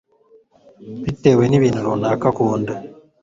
bitewe nibintu runaka akunda